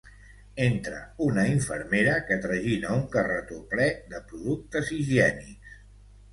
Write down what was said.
Entra una infermera que tragina un carretó ple de productes higiènics.